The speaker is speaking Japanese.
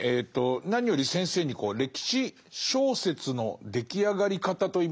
何より先生に歴史小説の出来上がり方といいますかね